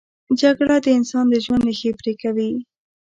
جګړه د انسان د ژوند ریښې پرې کوي